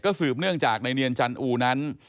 สืบเนื่องจากในเนียนจันอูนั้น